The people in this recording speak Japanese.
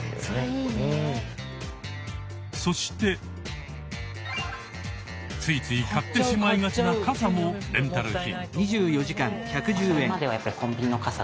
そしてついつい買ってしまいがちなカサもレンタル品。